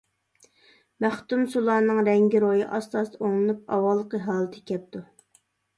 مەختۇمسۇلانىڭ رەڭگى روھى ئاستا-ئاستا ئوڭلىنىپ، ئاۋۋالقى ھالىتىگە كەپتۇ.